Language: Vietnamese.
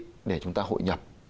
cái quy định để chúng ta hội nhập